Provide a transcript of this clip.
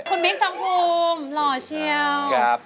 คุณมิ๊กทองภูมิหล่อเชียว